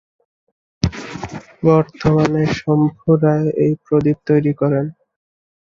বর্তমানে শম্ভু রায় এই প্রদীপ তৈরি করেন।